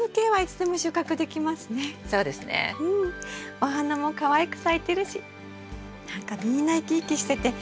お花もかわいく咲いてるし何かみんな生き生きしてて元気もらえますね。